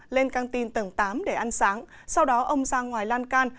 lên can tin tầng tám để ăn sáng sau đó ông sang ngoài lan can